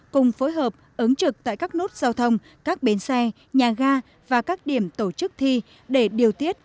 cùng phối hợp ứng trực tại các nút giao thông các bến xe nhà ga và các điểm tổ chức thi để điều tiết